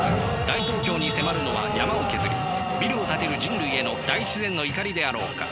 大東京に迫るのは山を削りビルを建てる人類への大自然の怒りであろうか。